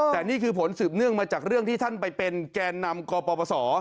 แต่นี่คือผลสืบเนื่องมาจากเรื่องที่ท่านไปเป็นแกนนำกปศ